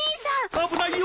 危ないよ！